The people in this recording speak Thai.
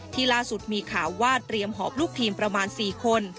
ล่าสุดมีข่าวว่าเตรียมหอบลูกทีมประมาณ๔คน